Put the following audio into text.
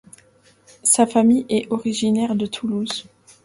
Sa famille est originaire de Toulouse.